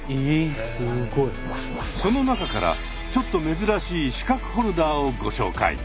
その中からちょっと珍しい資格ホルダーをご紹介。